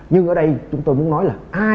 nhưng ở đây chúng tôi muốn nói là